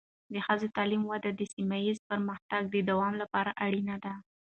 د ښځینه تعلیم وده د سیمه ایزې پرمختیا د دوام لپاره اړینه ده.